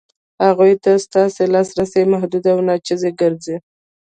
هغو ته ستاسو لاسرسی محدود او ناچیز ګرځي.